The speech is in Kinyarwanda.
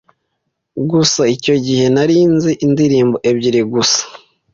gusa icyo gihe nari nzi indirimbo ebyiri gusa,